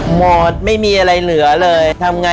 หมดไม่มีอะไรเหลือเลย